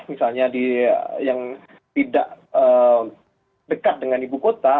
misalnya yang tidak dekat dengan ibu kota